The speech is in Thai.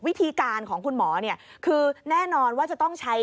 วิธีการของคุณหมอคือแน่นอนว่าจะต้องใช้